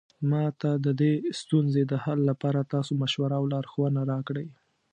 ما ته د دې ستونزې د حل لپاره تاسو مشوره او لارښوونه راکړئ